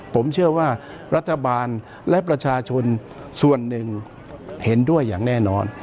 ผมเชื่อว่ารัฐบาลและประชาชนส่วนหนึ่งเห็นด้วยอย่างแน่นอน